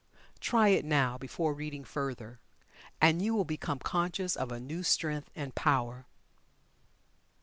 Try it now, before reading further, and you will become conscious of a new strength and power.